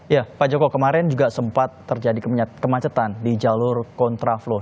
ya pak joko kemarin juga sempat terjadi kemacetan di jalur kontra flow